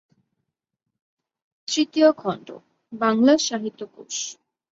তৃতীয় খন্ড: বাংলা সাহিত্যকোষ।